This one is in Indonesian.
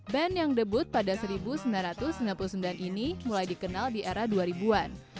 band yang debut pada seribu sembilan ratus sembilan puluh sembilan ini mulai dikenal di era dua ribu an